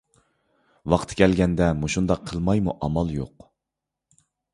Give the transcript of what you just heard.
ۋاقتى كەلگەندە مۇشۇنداق قىلمايمۇ ئامال يوق.